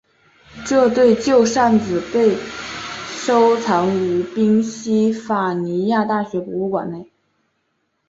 这对旧扇子现被收藏于宾夕法尼亚大学博物馆内。